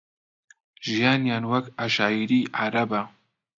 ژیانیان وەک عەشایری عەرەبە